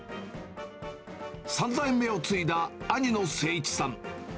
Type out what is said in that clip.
３代目を継いだ兄の誠一さん。